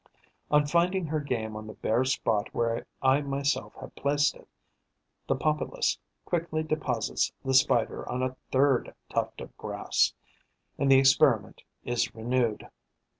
On finding her game on the bare spot where I myself have placed it, the Pompilus quickly deposits the Spider on a third tuft of grass; and the experiment is renewed.